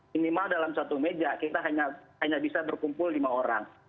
minimal dalam satu meja kita hanya bisa berkumpul lima orang